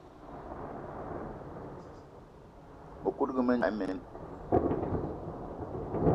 Mëkudgë mendjang, mboigi imen.